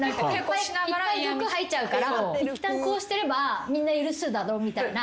いっぱい毒吐いちゃうからいったんこうしてればみんな許すだろうみたいな。